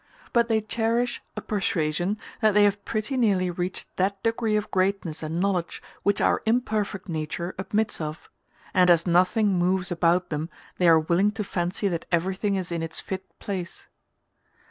but they cherish a persuasion that they have pretty nearly reached that degree of greatness and knowledge which our imperfect nature admits of; and as nothing moves about them they are willing to fancy that everything is in its fit place.